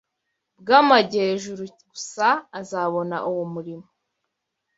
bw’amajyejuru gusa, azabona uwo murimo